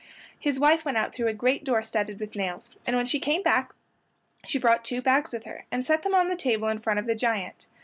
His wife went out through a great door studded with nails, and when she came back she brought two bags with her and set them on the table in front of the giant.